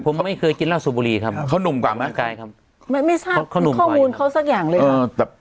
ผมไม่เคยกินราสุบุรีครับเขานุ่มกว่าไหมไม่ทราบข้อมูลเขาสักอย่างเลยครับ